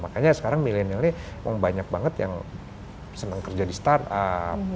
makanya sekarang milenialnya memang banyak banget yang seneng kerja di startup